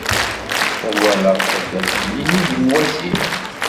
Twalaḍ taddart-nni nnig n wasif?